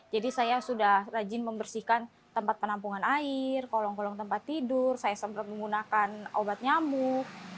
jadi saya sudah rajin membersihkan tempat penampungan air kolong kolong tempat tidur saya sempat menggunakan obat nyamuk